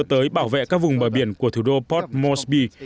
tới bảo vệ các vùng bờ biển của thủ đô port moresby